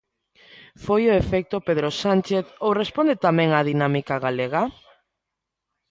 Foi o efecto Pedro Sánchez ou responde tamén á dinámica galega?